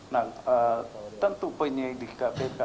nah tentu penyelidik kpk